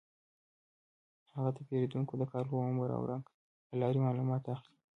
هغه د پیریدونکو د کالو، عمر او رنګ له لارې معلومات اخلي.